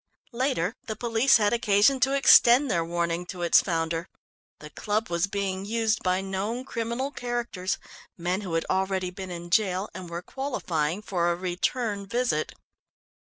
Later, the police had occasion to extend their warning to its founder. The club was being used by known criminal characters; men who had already been in jail and were qualifying for a return visit.